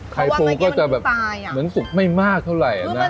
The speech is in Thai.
ไข่ปูก็จะแบบเหมือนสุกไม่มากเท่าไหร่อันนั้น